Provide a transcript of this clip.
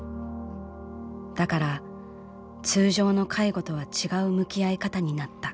だから通常の介護とは違う向き合い方になった」。